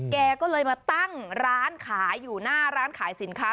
แกก็เลยมาตั้งร้านขายอยู่หน้าร้านขายสินค้า